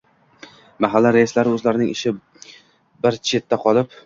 mahalla raislari o‘zlarining ishi bir chetda qolib